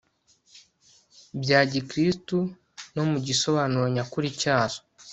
bya gikristu no mu gisobanuro nyakuri cyazo